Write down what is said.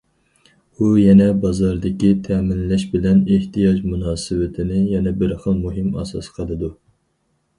ئۇ يەنە بازاردىكى تەمىنلەش بىلەن ئېھتىياج مۇناسىۋىتىنى يەنە بىر خىل مۇھىم ئاساس قىلىدۇ.